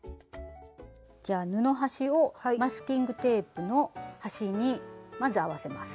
じゃあ布端をマスキングテープの端にまず合わせます。